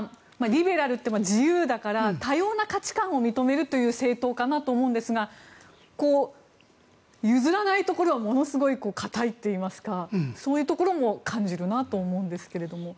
リベラルって自由だから多様な価値観を認めるという政党かなと思うんですが譲らないところはものすごい硬いといいますかそういうところも感じるなと思うんですけど。